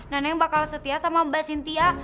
nenek yang bakal setia sama mbak sintia